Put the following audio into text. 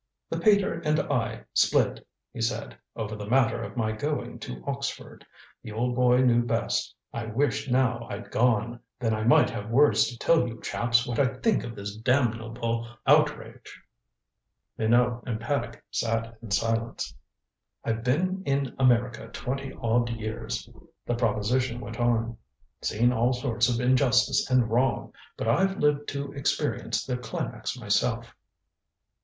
"The pater and I split," he said, "over the matter of my going to Oxford. The old boy knew best. I wish now I'd gone. Then I might have words to tell you chaps what I think of this damnable outrage." Minot and Paddock sat in silence. "I've been in America twenty odd years," the proposition went on. "Seen all sorts of injustice and wrong but I've lived to experience the climax myself."